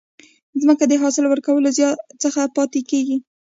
ځمکه د حاصل ورکولو څخه پاتي کیږي.